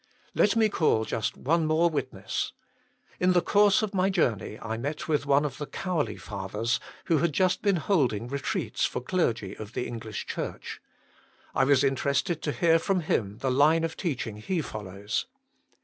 Let me call just one more witness. In the course of my journey I met with one of the Cowley Fathers, who had just been holding Eetreats for clergy of the English Church. I was interested to hear from him the line of teaching he follows.